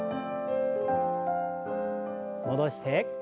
戻して。